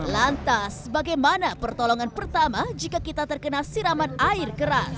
lantas bagaimana pertolongan pertama jika kita terkena siraman air keras